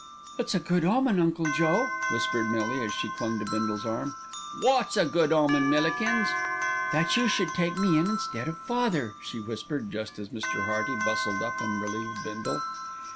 "It's a good omen, Uncle Joe," whispered Millie as she clung to Bindle's arm. "Wot's a good omen, Millikins?" enquired Bindle. "That you should take me in instead of father," she whispered just as Mr. Hearty bustled up and relieved Bindle.